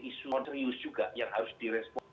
isu serius juga yang harus direspon